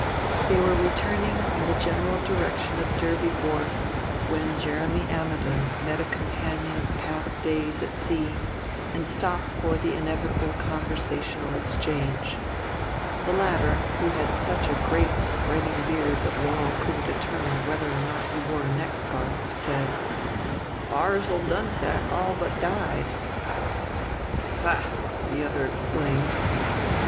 They were returning, in the general direction of Derby Wharf, when Jeremy Ammidon met a companion of past days at sea, and stopped for the inevitable conversational exchange. The latter, who had such a great spreading beard that Laurel couldn't determine whether or not he wore a neck scarf, said: "Barzil Dunsack all but died." "Ha!" the other exclaimed.